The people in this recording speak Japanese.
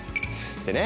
でね